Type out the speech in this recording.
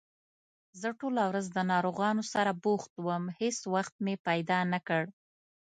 زه ټوله ورځ له ناروغانو سره بوخت وم، هېڅ وخت مې پیدا نکړ